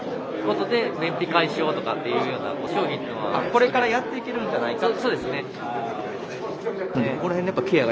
これからやっていけるんじゃないかと。